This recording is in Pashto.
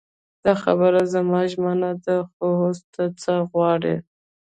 دا خبره زما ژمنه ده خو اوس ته څه غواړې.